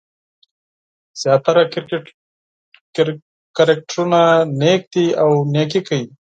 زیاتره کرکټرونه نېک دي او نېکي کوي.